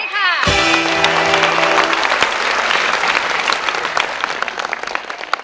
ใช่ค่ะ